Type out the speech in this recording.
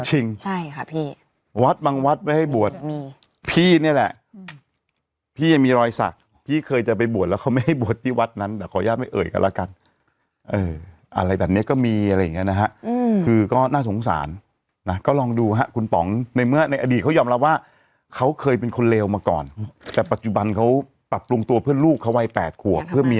จริงใช่ค่ะพี่วัดบางวัดไว้ให้บวชมีพี่นี่แหละพี่ยังมีรอยสักพี่เคยจะไปบวชแล้วเขาไม่ให้บวชที่วัดนั้นแต่ขออนุญาตไม่เอ่ยกันแล้วกันอะไรแบบนี้ก็มีอะไรอย่างเงี้นะฮะคือก็น่าสงสารนะก็ลองดูฮะคุณป๋องในเมื่อในอดีตเขายอมรับว่าเขาเคยเป็นคนเลวมาก่อนแต่ปัจจุบันเขาปรับปรุงตัวเพื่อนลูกเขาวัย๘ขวบเพื่อมี